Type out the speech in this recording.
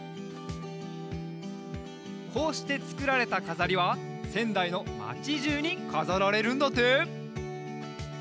こうしてつくられたかざりはせんだいのまちじゅうにかざられるんだって！